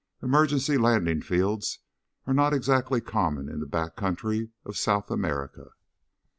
Emergency landing fields are not exactly common in the back country of South America.